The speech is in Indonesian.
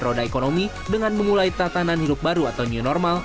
roda ekonomi dengan memulai tatanan hidup baru atau new normal